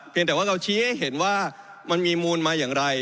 แต่ว่าเราชี้ให้เห็นว่ามันมีมูลมาอย่างไร